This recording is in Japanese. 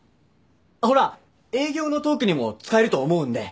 あっほら営業のトークにも使えると思うんでだから。